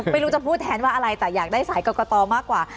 ไม่รู้จะพูดแทนว่าอะไรแต่อยากได้สายกรกตมากกว่า